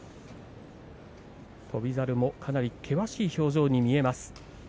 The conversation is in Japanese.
翔猿も、かなり険しい表情に見えます。